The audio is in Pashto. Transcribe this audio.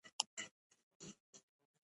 کندهار د افغانستان د جغرافیوي تنوع مثال دی.